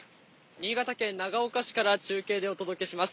新潟県長岡市から中継でお届けします。